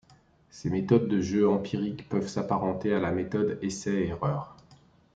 Ces méthodes de jeu empirique peuvent s'apparenter à la méthode essai-erreur.